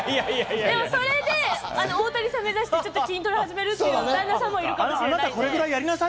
でもそれで大谷さんを目指して筋トレを始める旦那さんもいるかもしれない。